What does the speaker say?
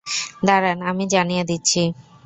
দাঁড়ান, আমি জানিয়ে দিচ্ছি।